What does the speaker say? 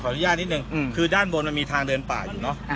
อนุญาตนิดนึงคือด้านบนมันมีทางเดินป่าอยู่เนอะ